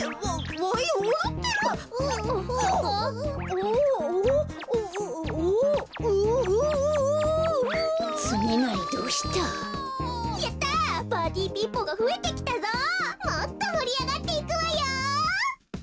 もっともりあがっていくわよ！